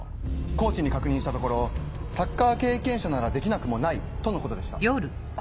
コーチに確認したところ「サッカー経験者ならできなくもない」とのことでした。